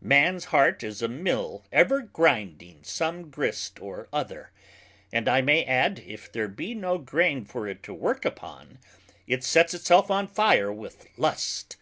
Mans heart is a Mill ever grinding some grist or other; and I may add, If there be no grain for it to work upon, it sets itself on fire with lust.